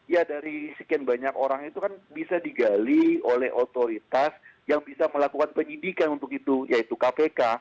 ya dari sekian banyak orang itu kan bisa digali oleh otoritas yang bisa melakukan penyidikan untuk itu yaitu kpk